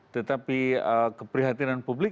tetapi keprihatinan publik